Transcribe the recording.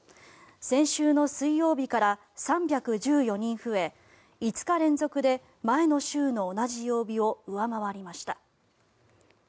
先週の水曜日から３１４人増え５日連続で前の週の同じ曜日を上回りました。